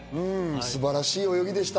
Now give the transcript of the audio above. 素晴らしい泳ぎでした。